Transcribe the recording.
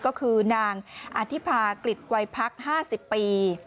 ก็คือนางอธิภากฤษวัยพัก๕๐ปี